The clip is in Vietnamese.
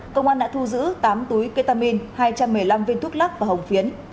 công an đã thu giữ tám túi ketamine hai trăm một mươi năm viên thuốc lắc và hồng phiến